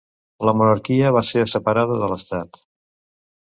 La monarquia va ser separada de l'estat.